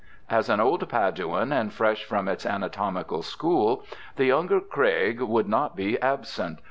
As an old Paduan, and fresh from its ana tomical school, the younger Craige would not be absent.